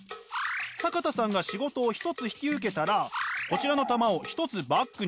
坂田さんが仕事を一つ引き受けたらこちらの玉を一つバッグに入れていきます。